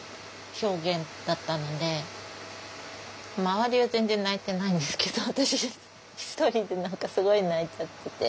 周りは全然泣いてないんですけど私ひとりで何かすごい泣いちゃってて。